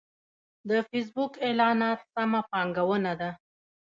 د فېسبوک اعلانات سمه پانګونه ده.